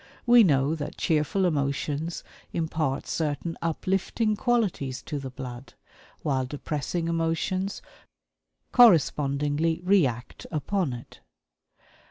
We know that cheerful emotions impart certain uplifting qualities to the blood, while depressing emotions correspondingly react upon it.